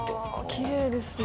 きれいですね。